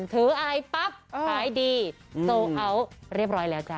ถืออายปั๊ปหายดีโซเลลั้เกียคะ